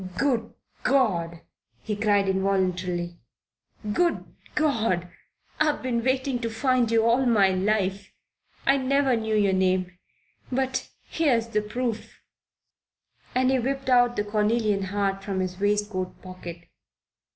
"Good God!" he cried involuntarily. "Good God! I've been wanting to find you all my life. I never knew your name. But here's the proof." And he whipped out the cornelian heart from his waistcoat pocket.